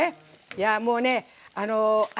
いやもうねあのあれ！